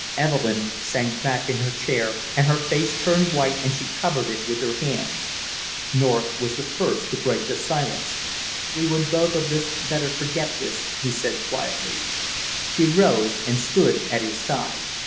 Evelyn sank back in her chair, and her face turned white and she covered it with her hands. North was the first to break the silence. "We would both of us better forget this," he said quietly. She rose and stood at his side.